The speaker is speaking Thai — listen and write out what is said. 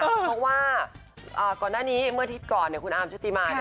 เพราะว่าก่อนหน้านี้เมื่ออาทิตย์ก่อนคุณอาร์มชุติมา